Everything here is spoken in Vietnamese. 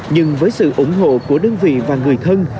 nhưng với sự ủng hộ của đơn vị và người thân